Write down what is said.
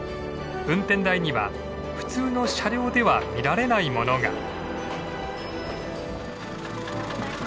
運転台には普通の車両では見られないものが。